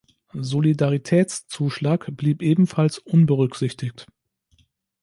Solidaritätszuschlag blieb ebenfalls unberücksichtigt.